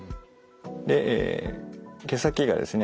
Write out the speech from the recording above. え毛先がですね